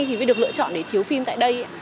thì mới được lựa chọn để chiếu phim tại đây